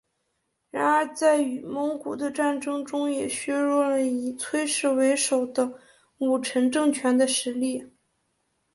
然而在与蒙古的战争中也削弱了以崔氏为首的武臣政权的实力。